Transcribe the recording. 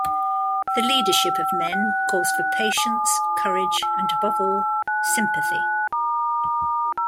The leadership of men calls for patience, courage, and, above all, sympathy.